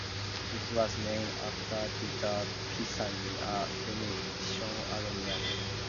It was named after Vettor Pisani, a Venetian admiral.